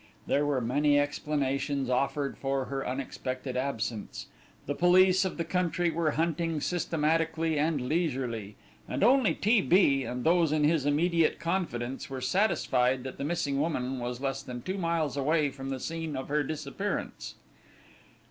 There were many explanations offered for her unexpected absence. The police of the country were hunting systematically and leisurely, and only T. B. and those in his immediate confidence were satisfied that the missing woman was less than two miles away from the scene of her disappearance.